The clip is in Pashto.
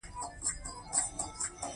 ایا زه باید په شور کې ویده شم؟